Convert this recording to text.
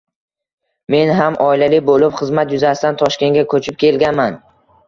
Men ham oilali bo‘lib xizmat yuzasidan Toshkentga ko‘chib kelganman.